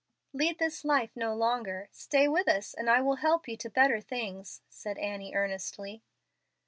"Lead this life no longer. Stay with us, and I will help you to better things," said Annie, earnestly.